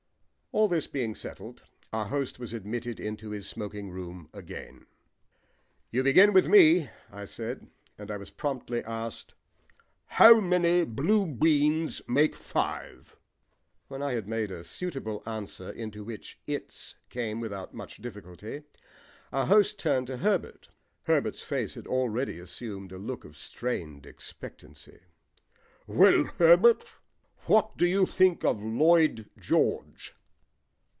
All this being settled, our host was admitted into his smoking room again. "You begin with me," I said, and I was promptly asked, "How many blue beans make five?" When I had made a suitable answer into which "it's" came without much difficulty, our host turned to Herbert. Herbert's face had already assumed a look of strained expectancy. "Well, Herbert, what do you think of Lloyd George?"